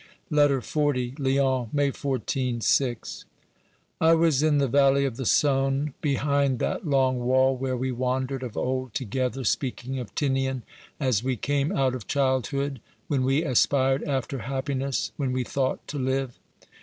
OBERMANN 131 LETTER XL Lyons, May 14 (VI). I was in the valley of the Saone, behind that long wall where we wandered of old together, speaking of Tinian as we came out of childhood, when we aspired after happiness, when we thought to live.